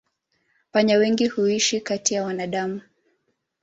Panya wengi huishi kati ya wanadamu.